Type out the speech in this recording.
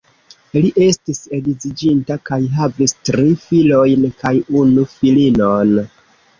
Li estis edziĝinta kaj havis tri filojn kaj unu filinon.